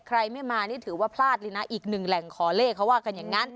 ใครไม่มานี่ถือว่าพลาดเลยนะอีกหนึ่งแหล่งขอเลขเขาว่ากันอย่างนั้น